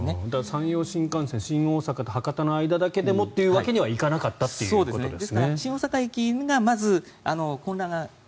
山陽新幹線新大阪と博多の間だけでもというわけにはいかなかったということですね。